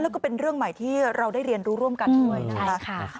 แล้วก็เป็นเรื่องใหม่ที่เราได้เรียนรู้ร่วมกันด้วยนะคะ